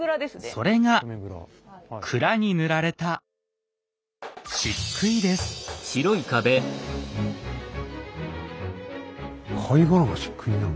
それが蔵に塗られた貝殻がしっくいになるの？